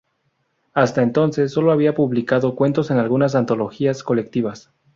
Hasta entonces, solo había publicado cuentos en algunas antologías colectivas.